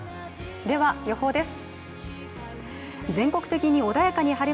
では予報です。